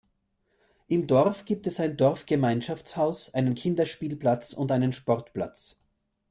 Im Dorf gibt es ein Dorfgemeinschaftshaus, einen Kinderspielplatz und einen Sportplatz.